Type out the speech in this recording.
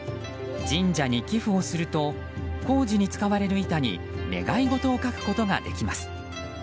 神社に寄付をすると工事に使われる板に願い事を書くことができます。